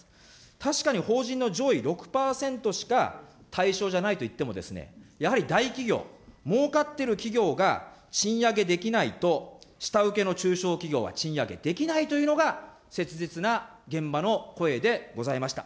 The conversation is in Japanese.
確かに法人の上位６％しか対象じゃないといっても、やはり大企業、もうかっている企業が賃上げできないと、下請けの中小企業は賃上げできないというのが、切実な現場の声でございました。